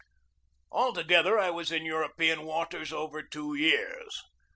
Altogether I was in European waters over two years.